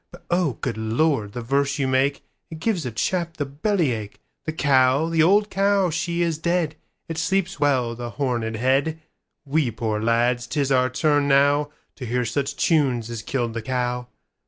But oh, good Lord, the verse you make, It gives a chap the belly ache. The cow, the old cow, she is dead; It sleeps well, the horned head:We poor lads, 'tis our turn nowTo hear such tunes as killed the cow.